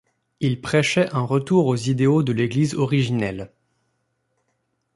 Il prêchait un retour aux idéaux de l'Église originelle.